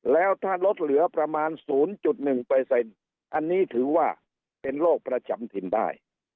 แล้วถ้าลดเหลือประมาณศูนย์จุดหนึ่งเปอร์เซ็นต์อันนี้ถือว่าเป็นโรคประจำถิ่นได้